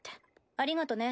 ありがとね。